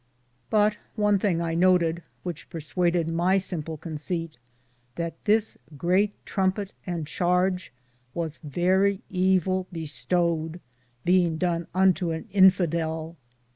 But one thinge I noteed, which perswaded my simple consaite that this great triumpte and charge was verrie evile bestowed, beinge done unto an infidell.